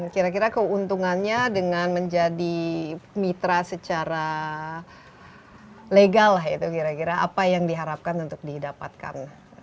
kira kira keuntungannya dengan menjadi mitra secara legal lah itu kira kira apa yang diharapkan untuk didapatkan